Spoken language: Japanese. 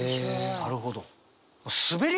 なるほど。